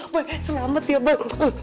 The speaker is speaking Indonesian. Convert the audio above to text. boy selamat ya boy